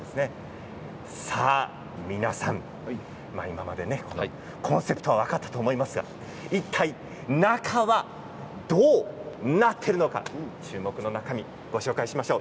皆さん、今まででコンセプトは分かったと思いますが一体、中はどうなっているのか注目の中身をご紹介しましょう。